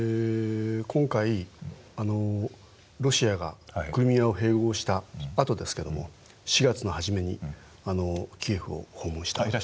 今回ロシアがクリミアを併合したあとですけども４月の初めにキエフを訪問した。